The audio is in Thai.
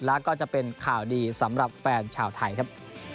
แล้วก็จะเป็นข่าวดีสำหรับแฟนชาวไทยครับ